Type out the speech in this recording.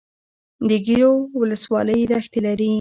د ګیرو ولسوالۍ دښتې لري